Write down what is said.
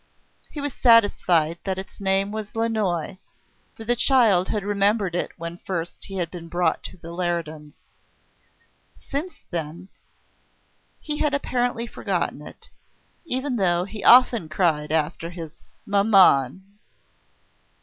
He was satisfied that its name was Lannoy for the child had remembered it when first he had been brought to the Leridans. Since then he had apparently forgotten it, even though he often cried after his "Maman!"